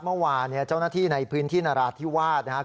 เมื่อวานเนี่ยเจ้าหน้าที่ในพื้นที่นราธิวาสนะครับ